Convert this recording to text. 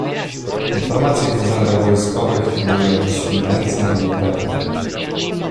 Informacje w urzędach wojskowych były jakieś mętne i niepewne.